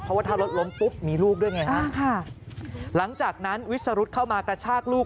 เพราะว่าถ้ารถล้มปุ๊บมีลูกด้วยไงฮะค่ะหลังจากนั้นวิสรุธเข้ามากระชากลูก